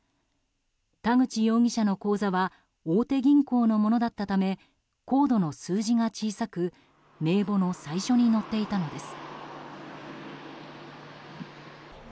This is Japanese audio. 田口容疑者の口座は大手銀行のものだったためコードの数字が小さく名簿の最初に載っていたのです。